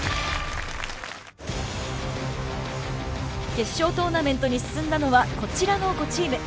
決勝トーナメントに進んだのはこちらの５チーム。